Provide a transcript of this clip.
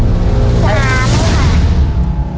สามค่ะ